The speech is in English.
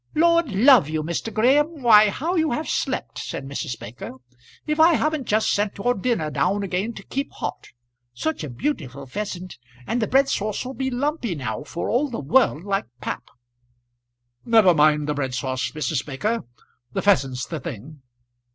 "Lord love you, Mr. Graham, why how you have slept!" said Mrs. Baker. "If I haven't just sent your dinner down again to keep hot. Such a beautiful pheasant, and the bread sauce'll be lumpy now, for all the world like pap." "Never mind the bread sauce, Mrs. Baker; the pheasant's the thing."